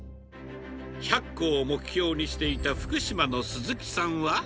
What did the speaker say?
１００個を目標にしていた福島の鈴木さんは。